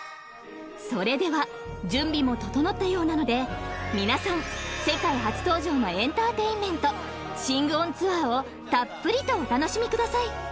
［それでは準備も整ったようなので皆さん世界初登場のエンターテインメントシング・オン・ツアーをたっぷりとお楽しみください］